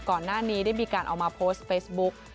ก่อนหน้านี้ได้มีการเอามาโพสต์เฟซบุ๊ก